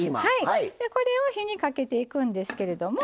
これを火にかけていくんですけれども。